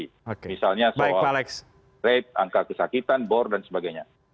misalnya soal rate angka kesakitan bor dan sebagainya